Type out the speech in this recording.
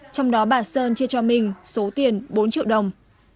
trong đó bà sơn chia cho mình số tiền bốn triệu đồng